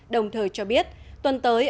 đồng thời cho biết tuần tới